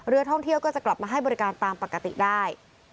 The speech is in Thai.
ท่องเที่ยวก็จะกลับมาให้บริการตามปกติได้